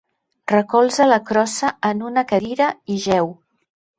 Recolza la crossa en una cadira i jeu.